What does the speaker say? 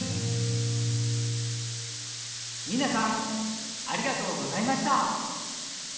ニナさんありがとうございました。